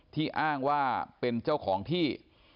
อ้างว่าเป็นเจ้าของที่